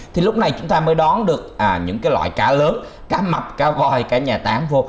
thì lúc này chúng ta mới đón được những cái loại cá lớn cá mập cá gòi cá nhà tán vô